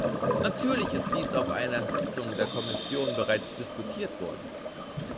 Natürlich ist dies auf einer Sitzung der Kommission bereits diskutiert worden.